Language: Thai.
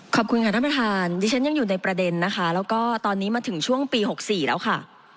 ขอบคุณค่ะท่านประธานดิฉันยังอยู่ในประเด็นนะคะแล้วก็ตอนนี้มาถึงช่วงปี๖๔แล้วค่ะ